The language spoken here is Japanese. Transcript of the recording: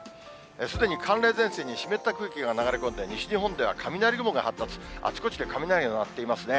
すでに寒冷前線に湿った空気が流れ込んで、西日本では雷雲が発達、あちこちで雷が鳴っていますね。